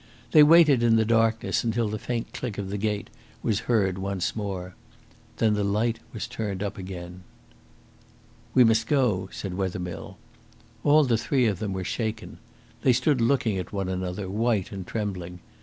They waited in the darkness until the faint click of the gate was heard once more. Then the light was turned up again. "We must go," said Wethermill. All the three of them were shaken. They stood looking at one another, white and trembling.